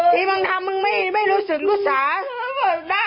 ที่มันทำมันไม่รู้สึกสึกสา